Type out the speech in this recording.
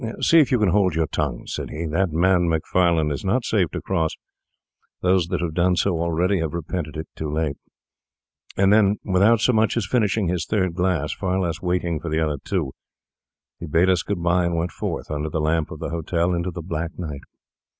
'See if you can hold your tongues,' said he. 'That man Macfarlane is not safe to cross; those that have done so already have repented it too late.' And then, without so much as finishing his third glass, far less waiting for the other two, he bade us good bye and went forth, under the lamp of the hotel, into the black night.